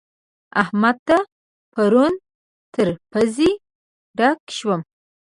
احمد ته پرون تر پزې ډک شوم.